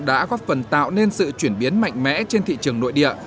đã góp phần tạo nên sự chuyển biến mạnh mẽ trên thị trường nội địa